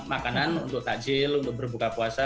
makanan untuk takjil untuk berbuka puasa